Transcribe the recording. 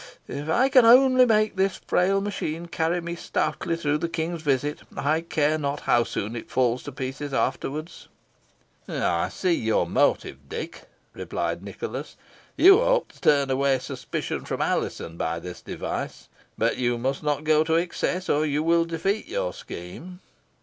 If I can only make this frail machine carry me stoutly through the King's visit, I care not how soon it falls to pieces afterwards." "I see your motive, Dick," replied Nicholas. "You hope to turn away suspicion from Alizon by this device; but you must not go to excess, or you will defeat your scheme."